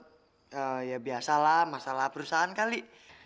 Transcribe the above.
ya biasalah masalah perusahaan kali